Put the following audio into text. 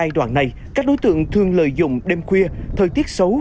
giai đoạn này các đối tượng thường lợi dụng đêm khuya thời tiết xấu